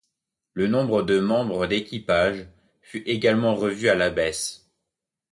Le nombre de membres d'équipage fut également revu à la baisse.